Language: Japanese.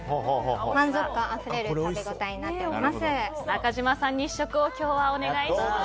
満足感あふれる食べ応えになっています。